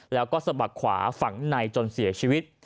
แล้วก็สะบักขวาฝังในจนเสียชีวิต